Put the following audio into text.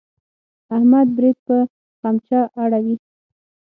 احمد برېت په خمچه اړوي.